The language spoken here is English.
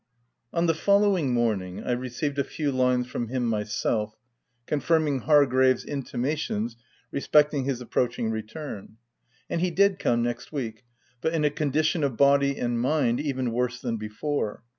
On the following morning, I received a few lines from him myself, confirming Hargrave*s intima tions respecting his approaching return. And he did come next week, but in a condition of body and mind even worse than before.